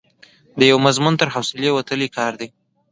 د یوه مضمون تر حوصلې وتلی کار دی.